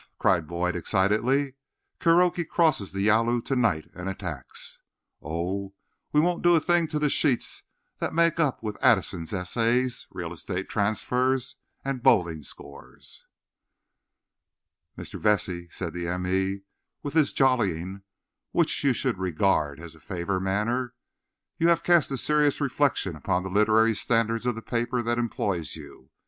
cried Boyd excitedly. "Kuroki crosses the Yalu to night and attacks. Oh, we won't do a thing to the sheets that make up with Addison's essays, real estate transfers, and bowling scores!" "Mr. Vesey," said the m. e., with his jollying which you should regard as a favour manner, "you have cast a serious reflection upon the literary standards of the paper that employs you.